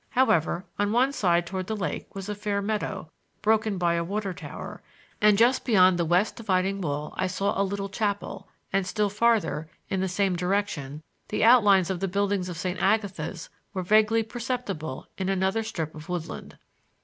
However, on one side toward the lake was a fair meadow, broken by a water tower, and just beyond the west dividing wall I saw a little chapel; and still farther, in the same direction, the outlines of the buildings of St. Agatha's were vaguely perceptible in another strip of woodland.